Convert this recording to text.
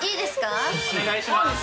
お願いします。